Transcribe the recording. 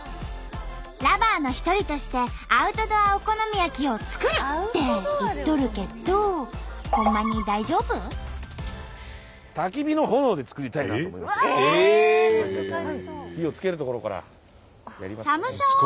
Ｌｏｖｅｒの一人としてアウトドアお好み焼きを作るって言っとるけどほんまに寒そう！